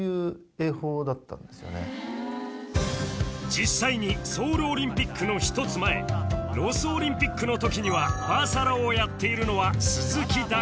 実際にソウルオリンピックの一つ前ロスオリンピックの時にはバサロをやっているのは鈴木だけ